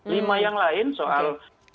lima yang lain soal